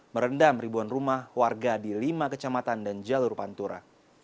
merendam ribuan rumah warga di lima kecamatan dan jalur pantura